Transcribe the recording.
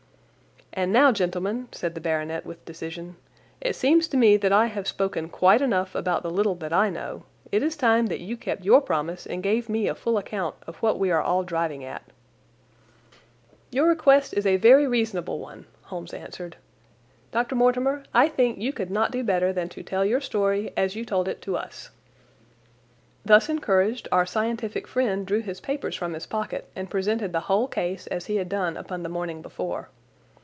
"And, now, gentlemen," said the baronet with decision, "it seems to me that I have spoken quite enough about the little that I know. It is time that you kept your promise and gave me a full account of what we are all driving at." "Your request is a very reasonable one," Holmes answered. "Dr. Mortimer, I think you could not do better than to tell your story as you told it to us." Thus encouraged, our scientific friend drew his papers from his pocket and presented the whole case as he had done upon the morning before.